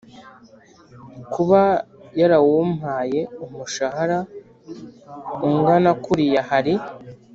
kuba yarawumpaye umushahara ungana kuriya hari